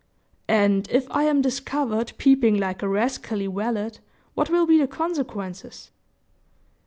"And if I am discovered peeping like a rascally valet, what will be the consequences?"